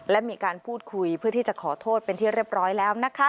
และมีการพูดคุยเพื่อที่จะขอโทษเป็นที่เรียบร้อยแล้วนะคะ